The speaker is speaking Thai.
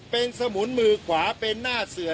เป็นสมุนมือขวาเป็นหน้าเสือ